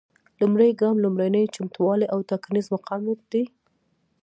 لومړی ګام لومړني چمتووالي او ټاکنیز مقاومت دی.